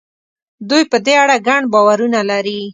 دوی په دې اړه ګڼ باورونه لري.